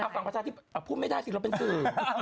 ฝั่งประชาธิปพูดไม่ได้สิเราเป็นสื่อ